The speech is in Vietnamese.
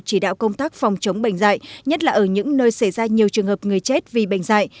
chỉ đạo công tác phòng chống bệnh dạy nhất là ở những nơi xảy ra nhiều trường hợp người chết vì bệnh dạy